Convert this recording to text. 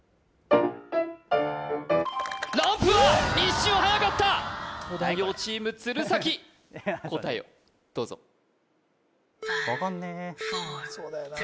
ランプは一瞬はやかった東大王チーム鶴崎答えをどうぞ分かんねえそうだよな